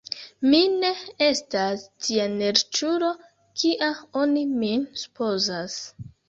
Mi ne estas tia neriĉulo, kia oni min supozas.